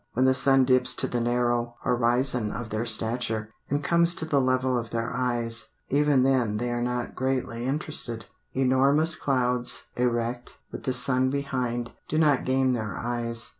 When the sun dips to the narrow horizon of their stature, and comes to the level of their eyes, even then they are not greatly interested. Enormous clouds, erect, with the sun behind, do not gain their eyes.